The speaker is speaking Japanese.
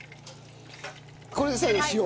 これで最後塩を。